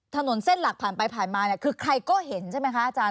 ถนนเส้นหลักผ่านไปผ่านมาเนี่ยคือใครก็เห็นใช่ไหมคะอาจารย์